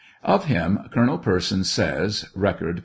Of him, Colonel Persons says, (Record, p.